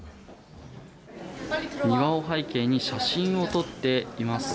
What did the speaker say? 庭を背景に写真を撮っています。